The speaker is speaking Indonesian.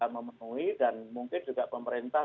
memenuhi dan mungkin juga pemerintah